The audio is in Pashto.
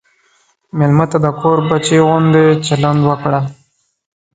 مېلمه ته د کور بچی غوندې چلند وکړه.